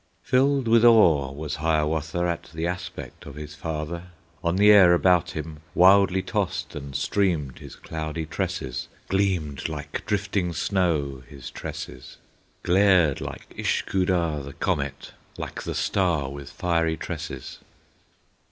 Filled with awe was Hiawatha At the aspect of his father. On the air about him wildly Tossed and streamed his cloudy tresses, Gleamed like drifting snow his tresses, Glared like Ishkoodah, the comet, Like the star with fiery tresses.